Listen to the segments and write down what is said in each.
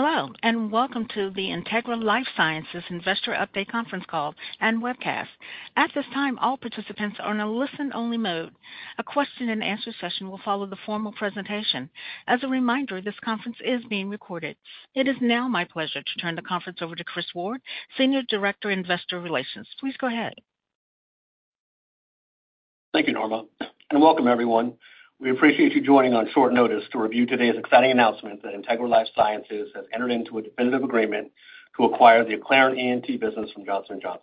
Hello, and welcome to the Integra LifeSciences Investor Update conference call and webcast. At this time, all participants are in a listen-only mode. A question-and-answer session will follow the formal presentation. As a reminder, this conference is being recorded. It is now my pleasure to turn the conference over to Chris Ward, Senior Director, Investor Relations. Please go ahead. Thank you, Norma, and welcome everyone. We appreciate you joining on short notice to review today's exciting announcement that Integra LifeSciences has entered into a definitive agreement to acquire the Acclarent ENT business from Johnson & Johnson.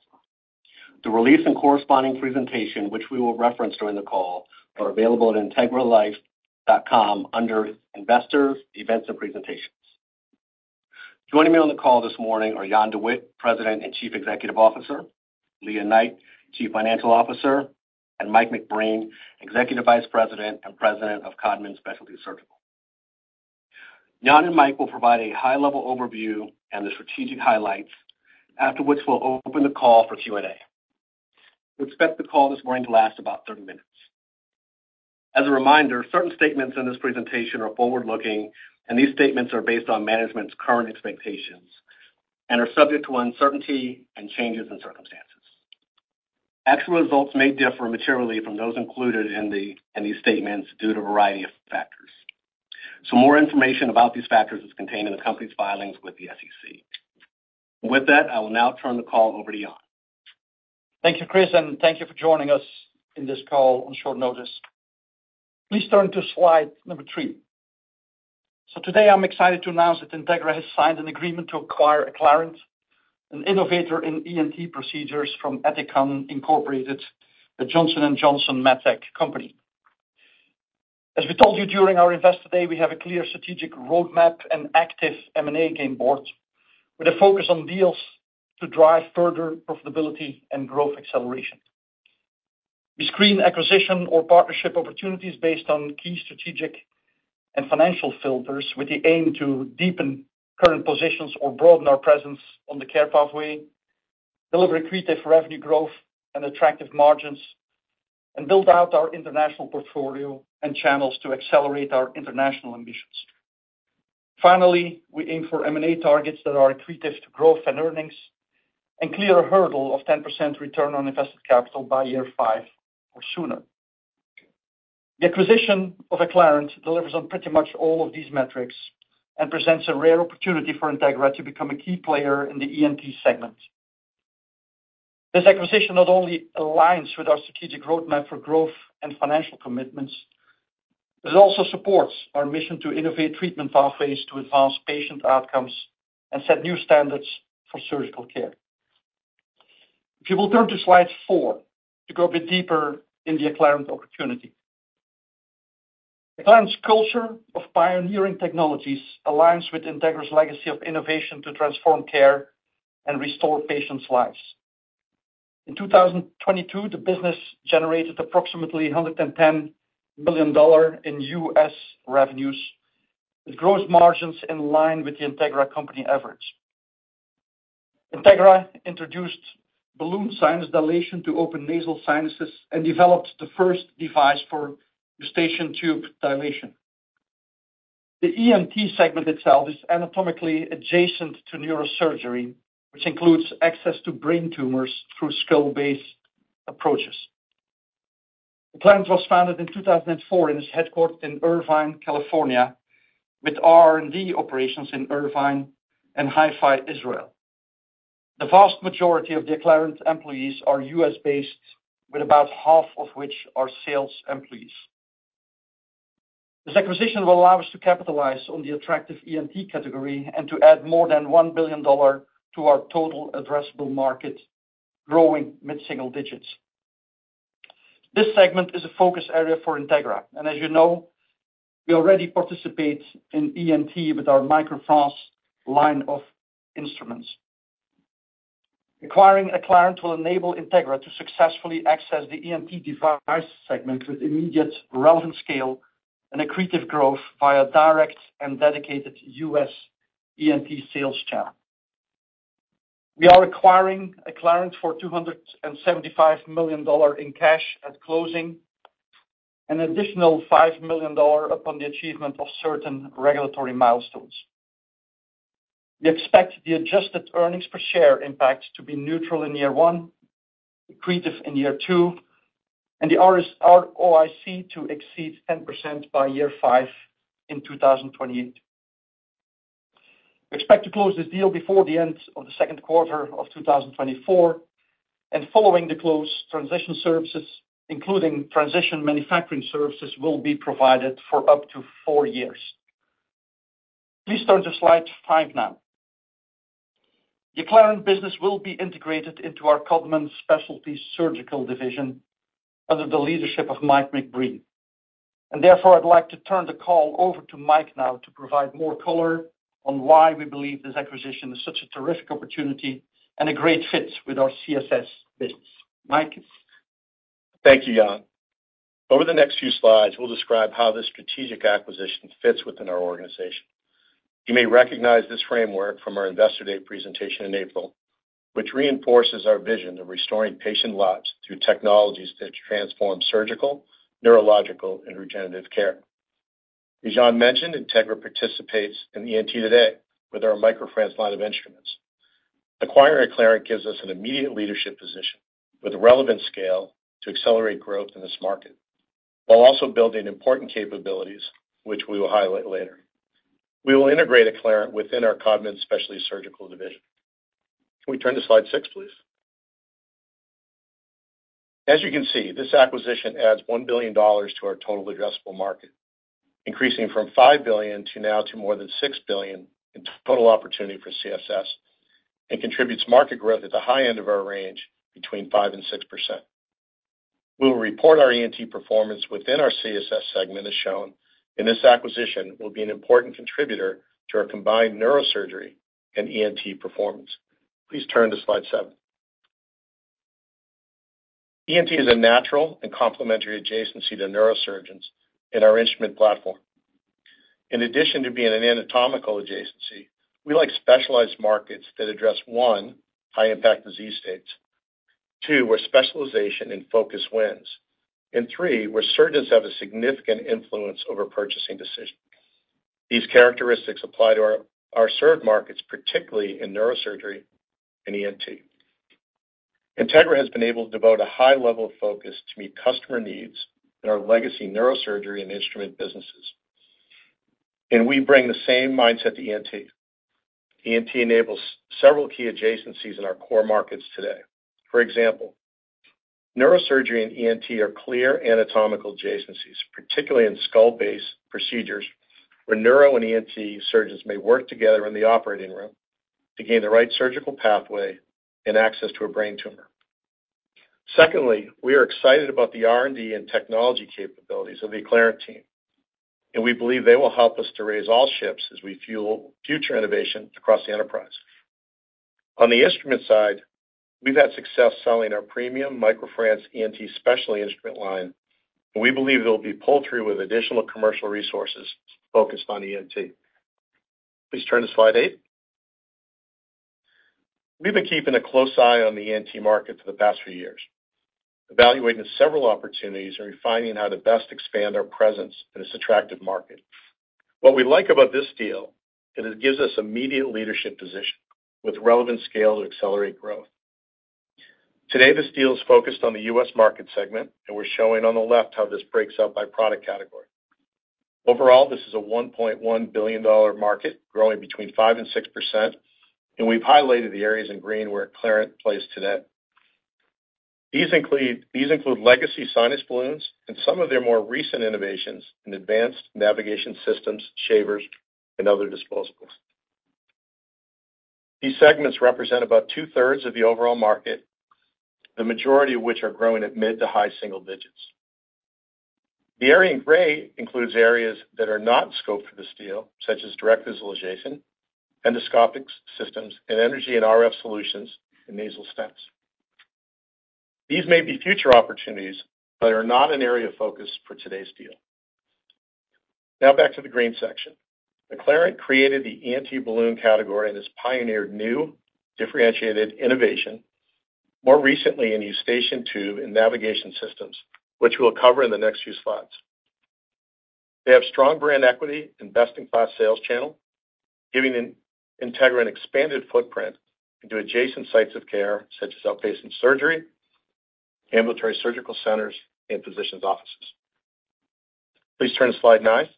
The release and corresponding presentation, which we will reference during the call, are available at integralife.com under Investors, Events and Presentations. Joining me on the call this morning are Jan De Witte, President and Chief Executive Officer, Lea Knight, Chief Financial Officer, and Mike McBreen, Executive Vice President and President of Codman Specialty Surgical. Jan and Mike will provide a high-level overview and the strategic highlights, after which we'll open the call for Q&A. We expect the call this morning to last about 30 minutes. As a reminder, certain statements in this presentation are forward-looking, and these statements are based on management's current expectations and are subject to uncertainty and changes in circumstances. Actual results may differ materially from those included in these statements due to a variety of factors. So more information about these factors is contained in the company's filings with the SEC. With that, I will now turn the call over to Jan. Thank you, Chris, and thank you for joining us in this call on short notice. Please turn to slide number 3. Today, I'm excited to announce that Integra has signed an agreement to acquire Acclarent, an innovator in ENT procedures from Ethicon, Inc., a Johnson & Johnson MedTech company. As we told you during our Investor Day, we have a clear strategic roadmap and active M&A game board with a focus on deals to drive further profitability and growth acceleration. We screen acquisition or partnership opportunities based on key strategic and financial filters, with the aim to deepen current positions or broaden our presence on the care pathway, deliver accretive revenue growth and attractive margins, and build out our international portfolio and channels to accelerate our international ambitions. Finally, we aim for M&A targets that are accretive to growth and earnings and clear a hurdle of 10% return on invested capital by year 5 or sooner. The acquisition of Acclarent delivers on pretty much all of these metrics and presents a rare opportunity for Integra to become a key player in the ENT segment. This acquisition not only aligns with our strategic roadmap for growth and financial commitments, but it also supports our mission to innovate treatment pathways to advance patient outcomes and set new standards for surgical care. If you will turn to slide 4, to go a bit deeper in the Acclarent opportunity. Acclarent's culture of pioneering technologies aligns with Integra's legacy of innovation to transform care and restore patients' lives. In 2022, the business generated approximately $110 billion in US revenues, with gross margins in line with the Integra company average. Integra introduced Balloon Sinus Dilation to open nasal sinuses and developed the first device for Eustachian Tube Dilation. The ENT segment itself is anatomically adjacent to neurosurgery, which includes access to brain tumors through skull base approaches. Acclarent was founded in 2004 and is headquartered in Irvine, California, with R&D operations in Irvine and Haifa, Israel. The vast majority of the Acclarent employees are US-based, with about half of which are sales employees. This acquisition will allow us to capitalize on the attractive ENT category and to add more than $1 billion to our total addressable market, growing mid-single digits. This segment is a focus area for Integra, and as you know, we already participate in ENT with our MicroFrance line of instruments. Acquiring Acclarent will enable Integra to successfully access the ENT device segment with immediate relevant scale and accretive growth via direct and dedicated US ENT sales channel. We are acquiring Acclarent for $275 million in cash at closing, an additional $5 million upon the achievement of certain regulatory milestones. We expect the adjusted earnings per share impact to be neutral in year one, accretive in year two, and the ROIC to exceed 10% by year five in 2028. We expect to close this deal before the end of the second quarter of 2024, and following the close, transition services, including transition manufacturing services, will be provided for up to four years. Please turn to slide 5 now. The Acclarent business will be integrated into our Codman Specialty Surgical division under the leadership of Mike McBreen, and therefore, I'd like to turn the call over to Mike now to provide more color on why we believe this acquisition is such a terrific opportunity and a great fit with our CSS business. Mike? Thank you, Jan. Over the next few slides, we'll describe how this strategic acquisition fits within our organization. You may recognize this framework from our Investor Day presentation in April which reinforces our vision of restoring patient lives through technologies that transform surgical, neurological, and regenerative care. As Jan mentioned, Integra participates in ENT today with our MicroFrance line of instruments. Acquiring Acclarent gives us an immediate leadership position with relevant scale to accelerate growth in this market, while also building important capabilities, which we will highlight later. We will integrate Acclarent within our Codman Specialty Surgical division. Can we turn to slide 6, please? As you can see, this acquisition adds $1 billion to our total addressable market, increasing from $5 billion to now to more than $6 billion in total opportunity for CSS, and contributes market growth at the high end of our range, between 5% and 6%. We will report our ENT performance within our CSS segment, as shown, and this acquisition will be an important contributor to our combined neurosurgery and ENT performance. Please turn to slide seven. ENT is a natural and complementary adjacency to neurosurgeons in our instrument platform. In addition to being an anatomical adjacency, we like specialized markets that address, one, high impact disease states, two, where specialization and focus wins, and three, where surgeons have a significant influence over purchasing decisions. These characteristics apply to our served markets, particularly in neurosurgery and ENT. Integra has been able to devote a high level of focus to meet customer needs in our legacy neurosurgery and instrument businesses, and we bring the same mindset to ENT. ENT enables several key adjacencies in our core markets today. For example, neurosurgery and ENT are clear anatomical adjacencies, particularly in skull base procedures, where neuro and ENT surgeons may work together in the operating room to gain the right surgical pathway and access to a brain tumor. Secondly, we are excited about the R&D and technology capabilities of the Acclarent team, and we believe they will help us to raise all ships as we fuel future innovation across the enterprise. On the instrument side, we've had success selling our premium MicroFrance ENT specialty instrument line, and we believe it'll be pull through with additional commercial resources focused on ENT. Please turn to slide 8. We've been keeping a close eye on the ENT market for the past few years, evaluating several opportunities and refining how to best expand our presence in this attractive market. What we like about this deal is it gives us immediate leadership position with relevant scale to accelerate growth. Today, this deal is focused on the US market segment, and we're showing on the left how this breaks out by product category. Overall, this is a $1.1 billion market, growing 5% to 6%, and we've highlighted the areas in green where Acclarent plays today. These include legacy sinus balloons and some of their more recent innovations in advanced navigation systems, shavers, and other disposables. These segments represent about two-thirds of the overall market, the majority of which are growing at mid- to high-single digits. The area in gray includes areas that are not in scope for this deal, such as direct visualization, endoscopic systems, and energy and RF solutions, and nasal stents. These may be future opportunities but are not an area of focus for today's deal. Now, back to the green section. Acclarent created the ENT balloon category and has pioneered new differentiated innovation, more recently in Eustachian tube and navigation systems, which we'll cover in the next few slides. They have strong brand equity and best-in-class sales channel, giving Integra an expanded footprint into adjacent sites of care, such as outpatient surgery, ambulatory surgical centers, and physicians' offices. Please turn to slide 9.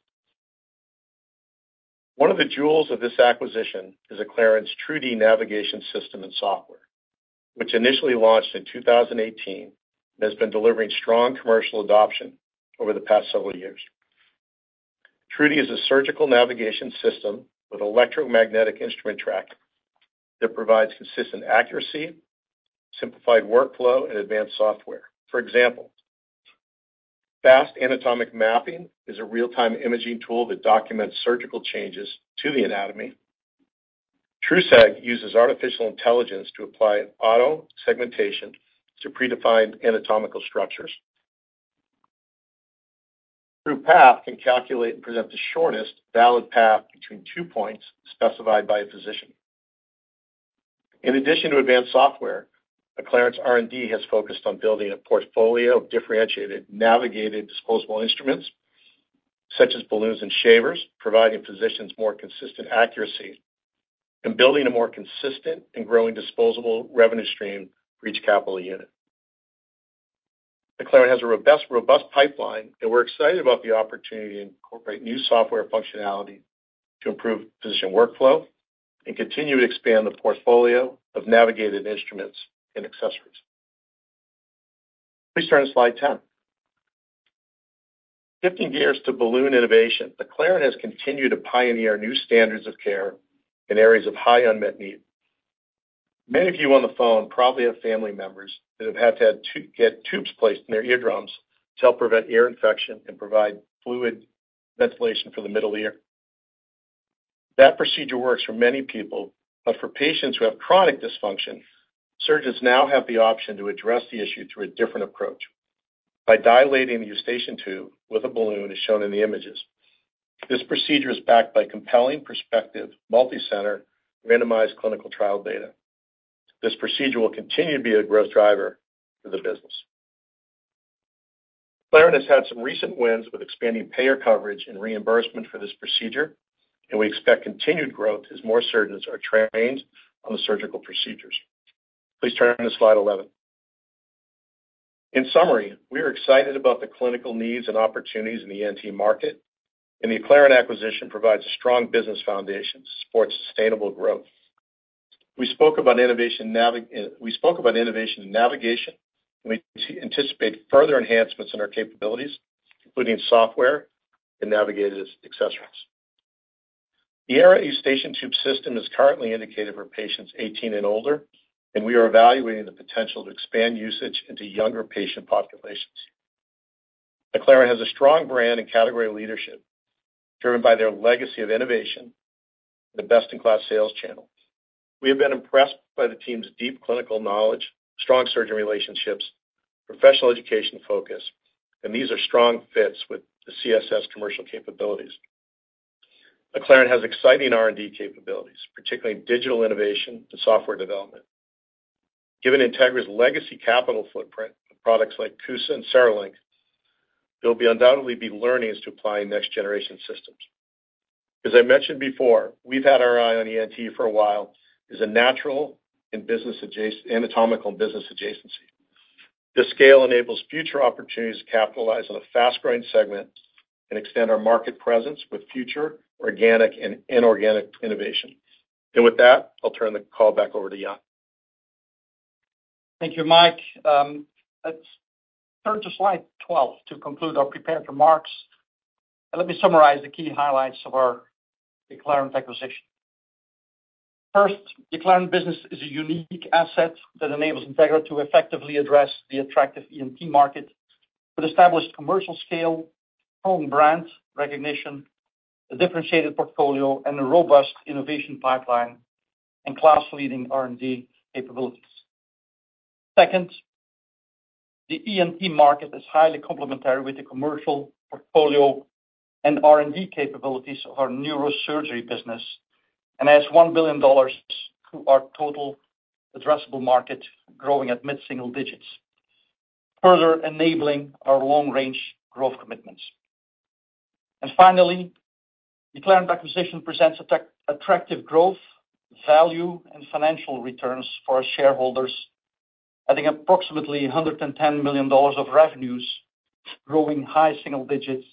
One of the jewels of this acquisition is Acclarent's TruDi navigation system and software, which initially launched in 2018, and has been delivering strong commercial adoption over the past several years. TruDi is a surgical navigation system with electromagnetic instrument tracking that provides consistent accuracy, simplified workflow, and advanced software. For example, Fast Anatomic Mapping is a real-time imaging tool that documents surgical changes to the anatomy. TruSeg uses artificial intelligence to apply auto segmentation to predefined anatomical structures. TruPath can calculate and present the shortest valid path between two points specified by a physician. In addition to advanced software, Acclarent's R&D has focused on building a portfolio of differentiated, navigated, disposable instruments such as balloons and shavers, providing physicians more consistent accuracy and building a more consistent and growing disposable revenue stream for each capital unit. Acclarent has a robust, robust pipeline, and we're excited about the opportunity to incorporate new software functionality to improve physician workflow and continue to expand the portfolio of navigated instruments and accessories. Please turn to slide 10. Shifting gears to balloon innovation. Acclarent has continued to pioneer new standards of care in areas of high unmet need. Many of you on the phone probably have family members that have had to have to get tubes placed in their eardrums to help prevent ear infection and provide fluid ventilation for the middle ear. That procedure works for many people, but for patients who have chronic dysfunction, surgeons now have the option to address the issue through a different approach... by dilating the Eustachian tube with a balloon, as shown in the images. This procedure is backed by compelling prospective, multicenter, randomized clinical trial data. This procedure will continue to be a growth driver for the business. Acclarent has had some recent wins with expanding payer coverage and reimbursement for this procedure, and we expect continued growth as more surgeons are trained on the surgical procedures. Please turn to slide 11. In summary, we are excited about the clinical needs and opportunities in the ENT market, and the Acclarent acquisition provides a strong business foundation to support sustainable growth. We spoke about innovation and navigation, and we anticipate further enhancements in our capabilities, including software and navigated accessories. The Aera Eustachian Tube System is currently indicated for patients 18 and older, and we are evaluating the potential to expand usage into younger patient populations. Acclarent has a strong brand and category leadership, driven by their legacy of innovation, the best-in-class sales channel. We have been impressed by the team's deep clinical knowledge, strong surgeon relationships, professional education focus, and these are strong fits with the CSS commercial capabilities. Acclarent has exciting R&D capabilities, particularly in digital innovation and software development. Given Integra's legacy capital footprint, products like CUSA and CereLink, there'll undoubtedly be learnings to apply in next generation systems. As I mentioned before, we've had our eye on ENT for a while; it is a natural and business adjacency—anatomical business adjacency. This scale enables future opportunities to capitalize on a fast-growing segment and extend our market presence with future organic and inorganic innovation. With that, I'll turn the call back over to Jan. Thank you, Mike. Let's turn to slide 12 to conclude our prepared remarks, and let me summarize the key highlights of our Acclarent acquisition. First, Acclarent business is a unique asset that enables Integra to effectively address the attractive ENT market with established commercial scale, strong brand recognition, a differentiated portfolio, and a robust innovation pipeline and class-leading R&D capabilities. Second, the ENT market is highly complementary with the commercial portfolio and R&D capabilities of our neurosurgery business, and adds $1 billion to our total addressable market, growing at mid-single digits, further enabling our long-range growth commitments. And finally, Acclarent acquisition presents attractive growth, value and financial returns for our shareholders, adding approximately $110 million of revenues, growing high single digits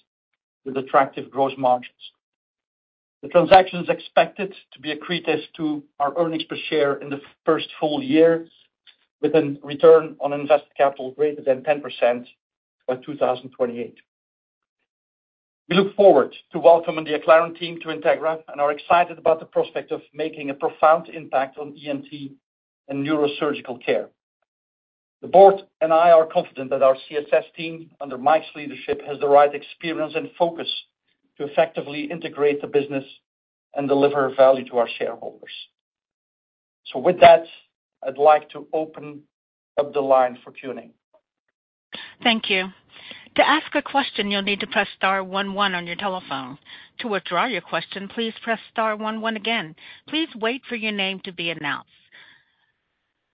with attractive gross margins. The transaction is expected to be accretive to our earnings per share in the first full year, with a return on invested capital greater than 10% by 2028. We look forward to welcoming the Acclarent team to Integra and are excited about the prospect of making a profound impact on ENT and neurosurgical care. The board and I are confident that our CSS team, under Mike's leadership, has the right experience and focus to effectively integrate the business and deliver value to our shareholders. With that, I'd like to open up the line for Q&A. Thank you. To ask a question, you'll need to press star one, one on your telephone. To withdraw your question, please press star one, one again. Please wait for your name to be announced.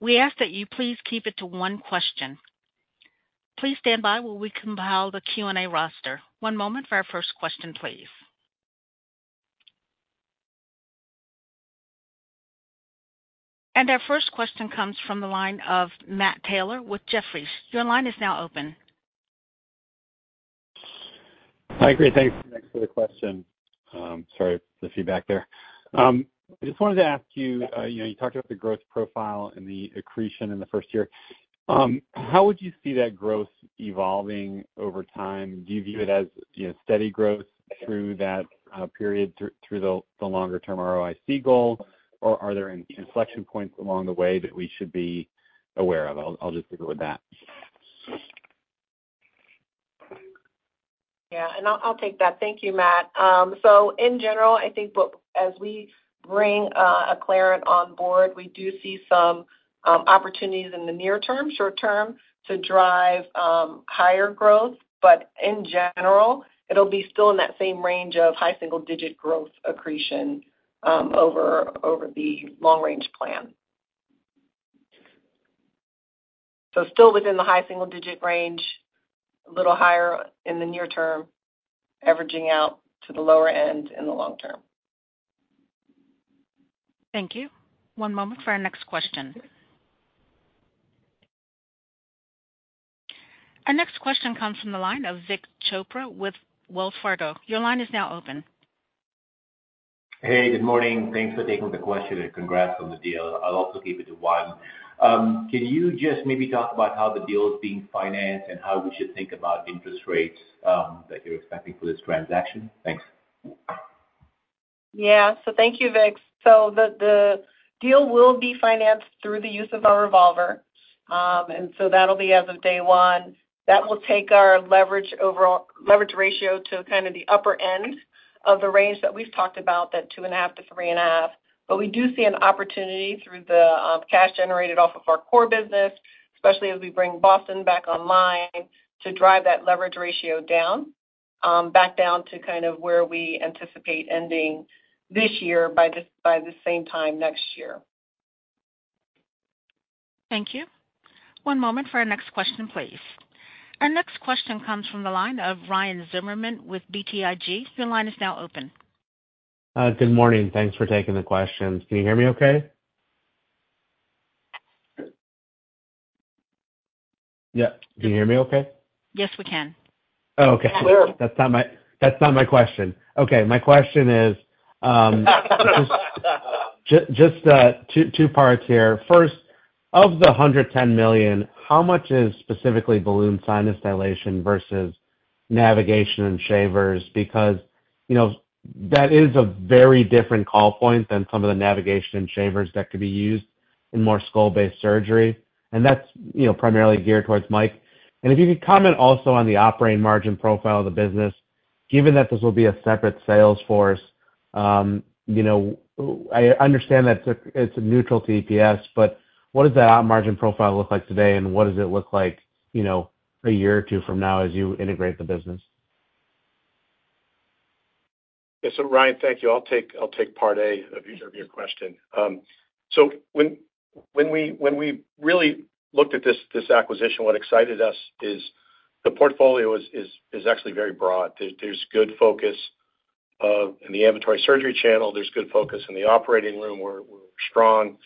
We ask that you please keep it to one question. Please stand by while we compile the Q&A roster. One moment for our first question, please. Our first question comes from the line of Matt Taylor with Jefferies. Your line is now open. Hi, great. Thanks. Thanks for the question. Sorry, the feedback there. I just wanted to ask you, you know, you talked about the growth profile and the accretion in the first year. How would you see that growth evolving over time? Do you view it as, you know, steady growth through that period, through the longer term ROIC goal? Or are there any inflection points along the way that we should be aware of? I'll just leave it with that. Yeah, and I'll take that. Thank you, Matt. So in general, I think as we bring Acclarent on board, we do see some opportunities in the near term, short term, to drive higher growth. But in general, it'll be still in that same range of high single digit growth accretion over the long range plan. So still within the high single digit range, a little higher in the near term, averaging out to the lower end in the long term. Thank you. One moment for our next question. Our next question comes from the line of Vik Chopra with Wells Fargo. Your line is now open. Hey, good morning. Thanks for taking the question and congrats on the deal. I'll also keep it to one. Can you just maybe talk about how the deal is being financed and how we should think about interest rates that you're expecting for this transaction? Thanks. Yeah. So thank you, Vik. So the deal will be financed through the use of our revolver. And so that'll be as of day one. That will take our leverage overall leverage ratio to kind of the upper end of the range that we've talked about, that 2.5-3.5. But we do see an opportunity through the cash generated off of our core business, especially as we bring Boston back online, to drive that leverage ratio down back down to kind of where we anticipate ending this year by the same time next year. Thank you. One moment for our next question, please. Our next question comes from the line of Ryan Zimmerman with BTIG. Your line is now open. Good morning. Thanks for taking the questions. Can you hear me okay? Yeah. Can you hear me okay? Yes, we can. Oh, okay. That's not my, that's not my question. Okay, my question is, just two parts here. First, of the $110 million, how much is specifically Balloon Sinus Dilation versus navigation and shavers? Because, you know, that is a very different call point than some of the navigation and shavers that could be used in more skull base surgery, and that's, you know, primarily geared towards Mike. And if you could comment also on the operating margin profile of the business, given that this will be a separate sales force, you know, I understand that it's a neutral to EPS, but what does that margin profile look like today, and what does it look like, you know, a year or two from now as you integrate the business? Yeah. So, Ryan, thank you. I'll take part A of your question. So, when we really looked at this acquisition, what excited us is the portfolio is actually very broad. There's good focus in the ambulatory surgery channel, there's good focus in the operating room, where we're strong.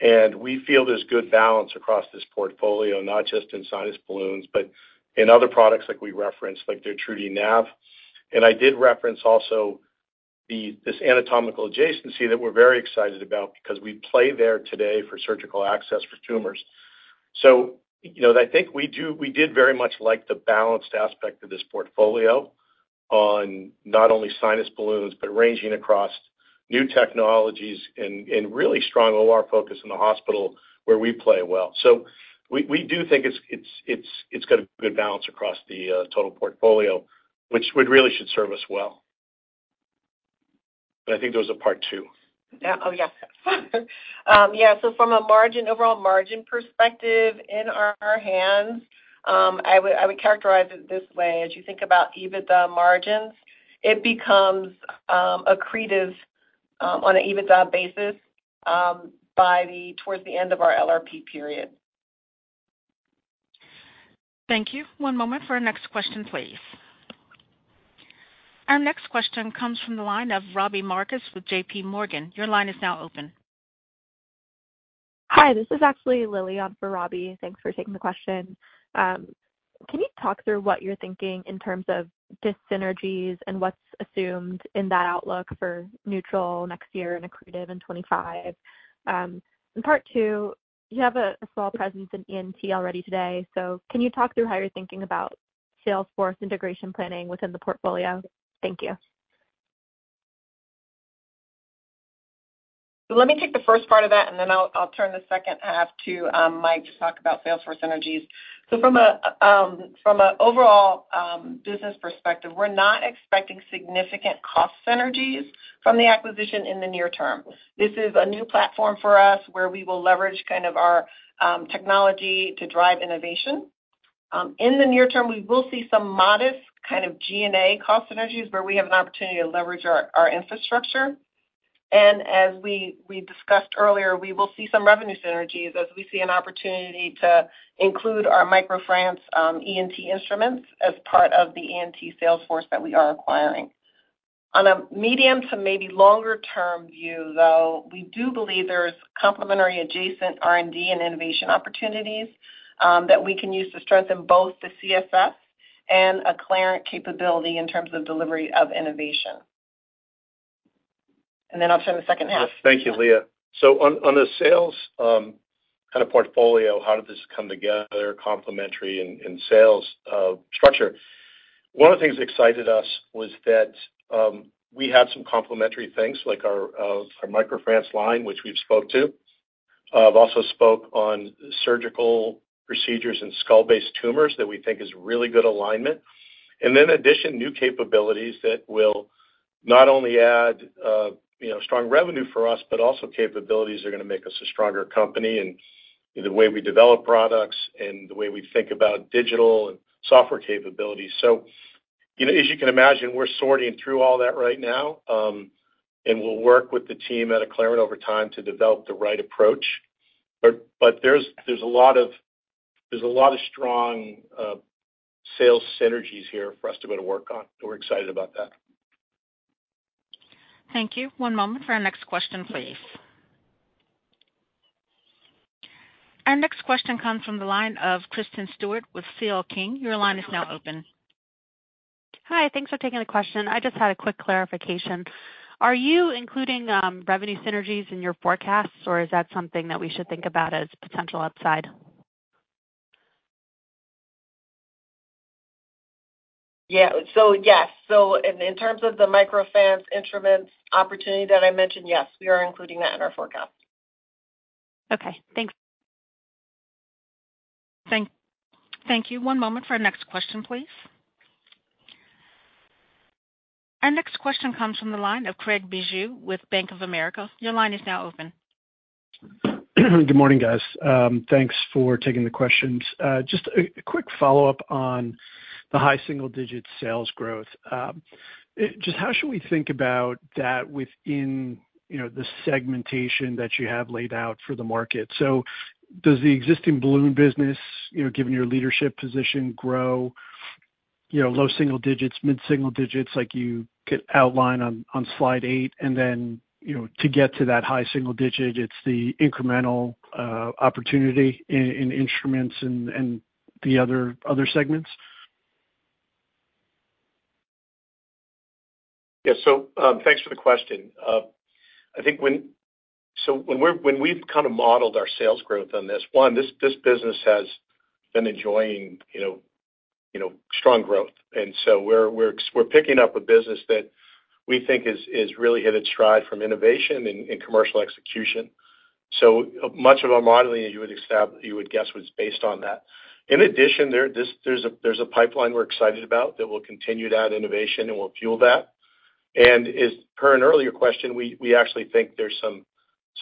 And we feel there's good balance across this portfolio, not just in sinus balloons, but in other products like we referenced, like their TruDi Nav. And I did reference also this anatomical adjacency that we're very excited about because we play there today for surgical access for tumors. So, you know, I think we did very much like the balanced aspect of this portfolio on not only sinus balloons, but ranging across new technologies and really strong OR focus in the hospital where we play well. So, we do think it's got a good balance across the total portfolio, which would really should serve us well. But I think there was a part two. Yeah. Oh, yes. Yeah, so from a margin, overall margin perspective in our hands, I would, I would characterize it this way: as you think about EBITDA margins, it becomes accretive on an EBITDA basis by the towards the end of our LRP period. Thank you. One moment for our next question, please. Our next question comes from the line of Robbie Marcus with JPMorgan. Your line is now open. Hi, this is actually Lily on for Robbie. Thanks for taking the question. Can you talk through what you're thinking in terms of dis-synergies and what's assumed in that outlook for neutral next year and accretive in 2025? And part two, you have a, a small presence in ENT already today, so can you talk through how you're thinking about sales force integration planning within the portfolio? Thank you. So let me take the first part of that, and then I'll turn the second half to Mike to talk about sales force synergies. So from a overall business perspective, we're not expecting significant cost synergies from the acquisition in the near term. This is a new platform for us, where we will leverage kind of our technology to drive innovation. In the near term, we will see some modest kind of G&A cost synergies where we have an opportunity to leverage our infrastructure. And as we discussed earlier, we will see some revenue synergies as we see an opportunity to include our MicroFrance ENT instruments as part of the ENT sales force that we are acquiring. On a medium to maybe longer-term view, though, we do believe there's complementary adjacent R&D and innovation opportunities, that we can use to strengthen both the CSS and Acclarent capability in terms of delivery of innovation. And then I'll turn the second half. Thank you, Lea. So, on the sales kind of portfolio, how did this come together, complementary and sales structure? One of the things that excited us was that we had some complementary things, like our our MicroFrance line, which we've spoke to. I've also spoke on surgical procedures in skull base tumors, that we think is really good alignment. And then addition, new capabilities that will not only add you know, strong revenue for us, but also capabilities that are going to make us a stronger company in the way we develop products and the way we think about digital and software capabilities. So, you know, as you can imagine, we're sorting through all that right now, and we'll work with the team at Acclarent over time to develop the right approach. But there's a lot of strong sales synergies here for us to go to work on, and we're excited about that. Thank you. One moment for our next question, please. Our next question comes from the line of Kristen Stewart with CL King. Your line is now open. Hi, thanks for taking the question. I just had a quick clarification. Are you including, revenue synergies in your forecasts, or is that something that we should think about as potential upside? Yeah. So, yes. So, in terms of the MicroFrance instruments opportunity that I mentioned, yes, we are including that in our forecast. Okay, thanks. Thank you. One moment for our next question, please. Our next question comes from the line of Craig Bijou with Bank of America. Your line is now open. Good morning, guys. Thanks for taking the questions. Just a quick follow-up on the high single digit sales growth. Just how should we think about that within, you know, the segmentation that you have laid out for the market? So does the existing balloon business, you know, given your leadership position, grow, you know, low single digits, mid-single digits, like you could outline on slide 8, and then, you know, to get to that high single digit, it's the incremental opportunity in instruments and the other segments? Yeah. So, thanks for the question. I think when we've kind of modeled our sales growth on this, this business has been enjoying, you know, strong growth. And so, we're picking up a business that we think is really hit its stride from innovation and commercial execution. So much of our modeling, you would guess, was based on that. In addition, there's a pipeline we're excited about that will continue that innovation and will fuel that. And as per an earlier question, we actually think there's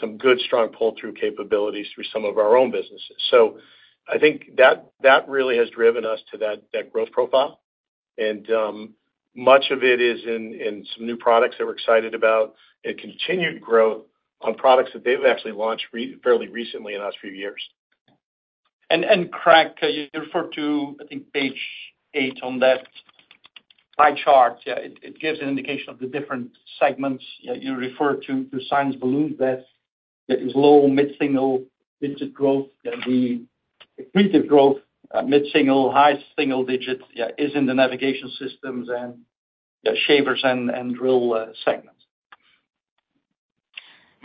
some good, strong pull-through capabilities through some of our own businesses. So, I think that really has driven us to that growth profile. Much of it is in some new products that we're excited about, and continued growth on products that they've actually launched fairly recently, in the last few years. Craig, you referred to, I think, page 8 on that pie chart. Yeah, it gives an indication of the different segments. Yeah, you referred to sinus balloons; that is low- to mid-single-digit growth, and the aggressive growth mid-single- to high-single-digit, yeah, is in the navigation systems and the shavers and drill segments.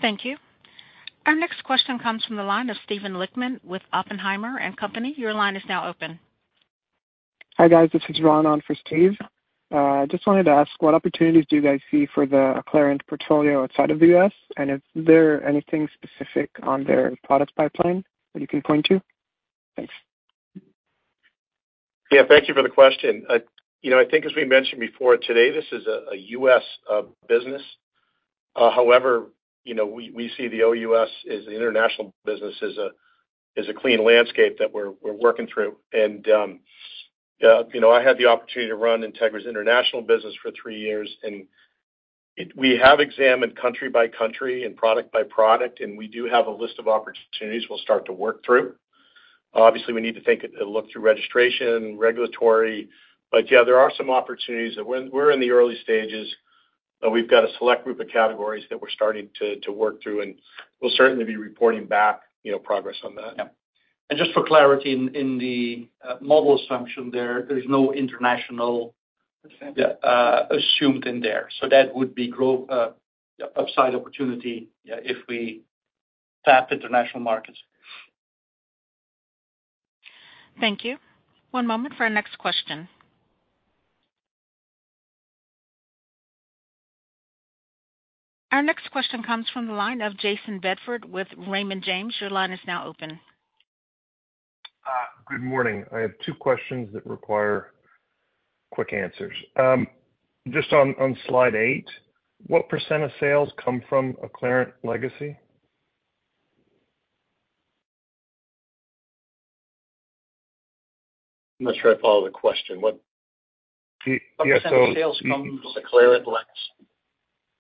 Thank you. Our next question comes from the line of Steven Lichtman with Oppenheimer and Company. Your line is now open. Hi, guys. This is John on for Steve. Just wanted to ask, what opportunities do you guys see for the Acclarent portfolio outside of the US, and is there anything specific on their product pipeline that you can point to? Thanks. Yeah, thank you for the question. You know, I think as we mentioned before today, this is a US business. However, you know, we see the OUS as the international business, as a clean landscape that we're working through. And you know, I had the opportunity to run Integra's international business for three years, and we have examined country by country and product by product, and we do have a list of opportunities we'll start to work through. Obviously, we need to take a look through registration, regulatory. But yeah, there are some opportunities. And we're in the early stages, but we've got a select group of categories that we're starting to work through, and we'll certainly be reporting back, you know, progress on that. Yeah. And just for clarity, in the model assumption there, there's no international assumed in there, so that would be growth upside opportunity, if we tap international markets. Thank you. One moment for our next question. Our next question comes from the line of Jayson Bedford with Raymond James. Your line is now open. Good morning. I have two questions that require quick answers. Just on slide 8, what % of sales come from Acclarent legacy? I'm not sure I follow the question. What... Yeah, so... What % of sales come from Acclarent legacy?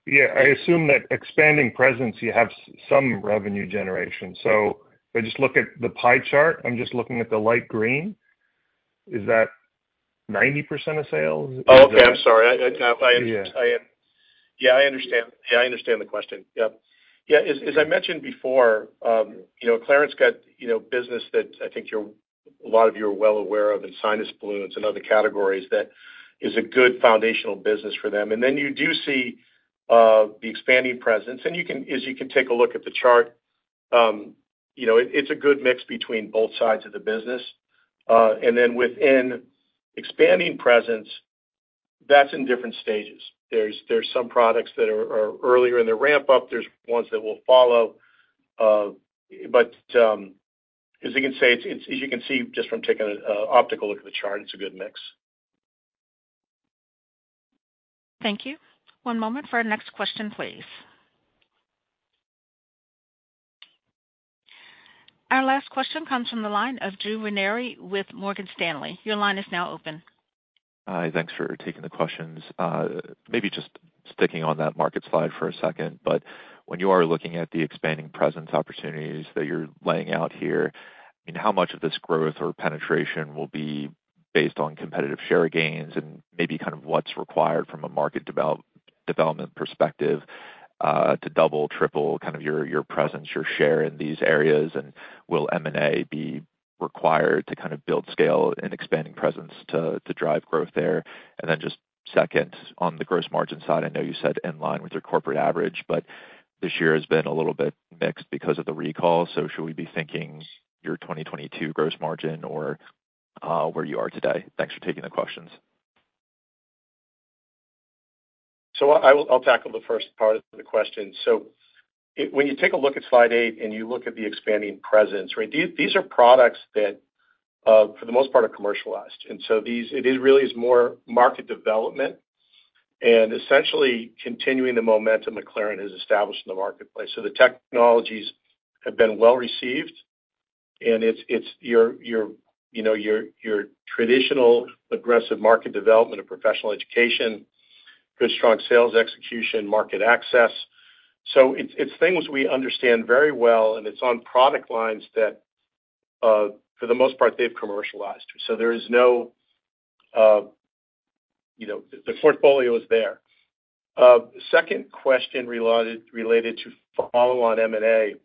Yeah, I assume that expanding presence, you have some revenue generation. So, I just look at the pie chart. I'm just looking at the light green. Is that 90% of sales? Oh, okay. I'm sorry. Yeah. Yeah, I understand. Yeah, I understand the question. Yep. Yeah, as I mentioned before, you know, Acclarent's got, you know, business that I think a lot of you are well aware of, in sinus balloons and other categories, that is a good foundational business for them. And then you do see the expanding presence, and you can take a look at the chart, you know, it, it's a good mix between both sides of the business. And then within expanding presence, that's in different stages. There's some products that are earlier in the ramp up. There's ones that will follow. But, as you can see, just from taking a optical look at the chart, it's a good mix. Thank you. One moment for our next question, please. Our last question comes from the line of Drew Ranieri with Morgan Stanley. Your line is now open. Thanks for taking the questions. Maybe just sticking on that market slide for a second, but when you are looking at the expanding presence opportunities that you're laying out here, and how much of this growth or penetration will be based on competitive share gains, and maybe kind of what's required from a market development perspective, to double, triple, kind of your, your presence, your share in these areas, and will M&A be required to kind of build scale and expanding presence to, to drive growth there? And then just second, on the gross margin side, I know you said in line with your corporate average, but this year has been a little bit mixed because of the recall. So, should we be thinking your 2022 gross margin or, where you are today? Thanks for taking the questions. So, I'll tackle the first part of the question. When you take a look at slide eight, and you look at the expanding presence, right? These are products that, for the most part, are commercialized, and so these, it really is more market development and essentially continuing the momentum Acclarent has established in the marketplace. So, the technologies have been well received, and it's, you know, your traditional aggressive market development of professional education, good, strong sales execution, market access. So, it's things we understand very well, and it's on product lines that, for the most part, they've commercialized. So, there is no, you know, the portfolio is there. Second question related to follow on M&A.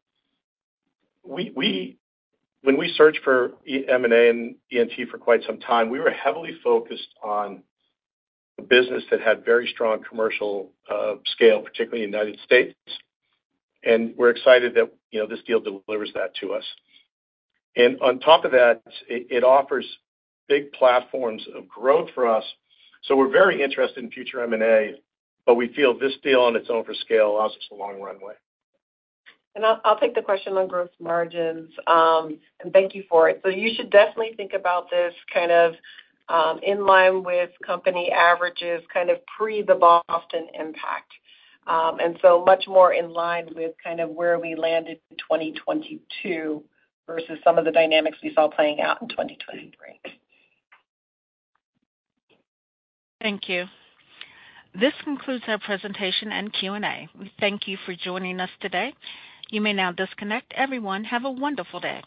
When we searched for M&A and ENT for quite some time, we were heavily focused on a business that had very strong commercial scale, particularly in the United States, and we're excited that, you know, this deal delivers that to us. And on top of that, it offers big platforms of growth for us, so we're very interested in future M&A, but we feel this deal on its own for scale allows us a long runway. I'll take the question on gross margins and thank you for it. So, you should definitely think about this kind of in line with company averages, kind of pre the Boston impact. And so much more in line with kind of where we landed in 2022 versus some of the dynamics we saw playing out in 2023. Thank you. This concludes our presentation and Q&A. We thank you for joining us today. You may now disconnect. Everyone, have a wonderful day.